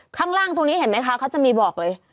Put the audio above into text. ข้างล่างตรงนี้เห็นไหมคะเขาจะมีบอกเลย